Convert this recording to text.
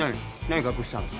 何隠したの？